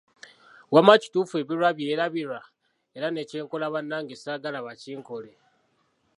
Wamma kituufu ebirwa byerabirwa era ne kyenkola bannange saagala bakinkole!